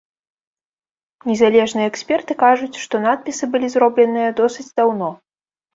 Незалежныя эксперты кажуць, што надпісы былі зробленыя досыць даўно.